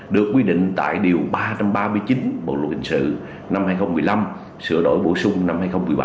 được quy định tại điều ba trăm ba mươi chín bộ luật hình sự năm hai nghìn một mươi năm sửa đổi bổ sung năm hai nghìn một mươi bảy